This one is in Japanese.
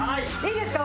いいですか？